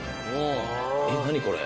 何これ？